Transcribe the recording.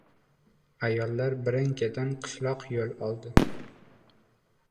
Ayollar birin-ketin qishloq yo‘l oldi.